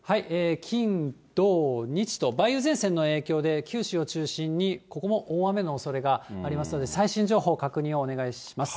金、土、日と梅雨前線の影響で九州を中心にここも大雨のおそれがありますので、最新情報確認をお願いします。